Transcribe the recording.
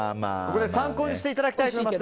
参考にしていただきたいと思います